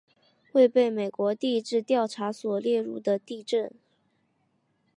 未被美国地质调查所列入的地震